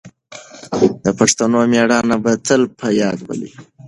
د پښتنو مېړانه به تل په یاد وي.